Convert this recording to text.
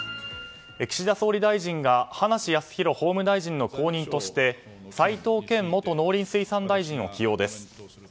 岸田総理大臣が葉梨康弘法務大臣の後任として齋藤健元農林水産大臣を起用です。